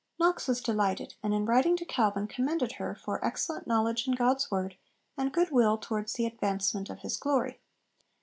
Knox was delighted, and in writing to Calvin commended her 'for excellent knowledge in God's word, and good will towards the advancement of his glory.'